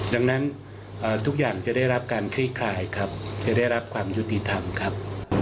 ดังนั้นทุกอย่างจะได้รับการคลี่คลายครับจะได้รับความยุติธรรมครับ